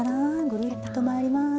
ぐるっと回ります。